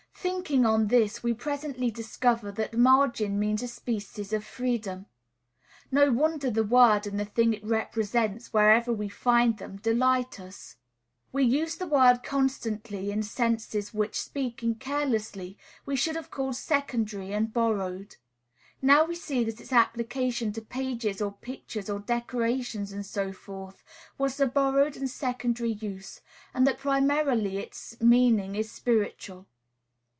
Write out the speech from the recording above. Thinking on this, we presently discover that margin means a species of freedom. No wonder the word, and the thing it represents, wherever we find them, delight us. We use the word constantly in senses which, speaking carelessly, we should have called secondary and borrowed. Now we see that its application to pages, or pictures, or decorations, and so forth, was the borrowed and secondary use; and that primarily its meaning is spiritual.